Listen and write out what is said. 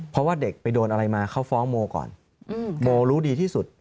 เพราะว่าเด็กไปโดนอะไรมาเขาฟ้องโมก่อนโมรู้ดีที่สุด